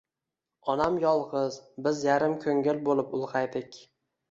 Onam yolg`iz, biz yarim ko`ngil bo`lib ulg`aydik